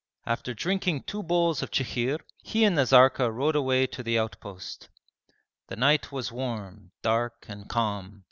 After drinking two bowls of chikhir he and Nazarka rode away to the outpost. The night was warm, dark, and calm.